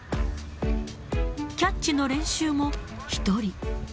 キャッチの練習も１人。